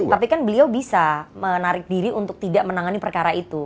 tapi kan beliau bisa menarik diri untuk tidak menangani perkara itu